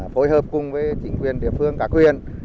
phối hợp cùng với chính quyền địa phương cả quyền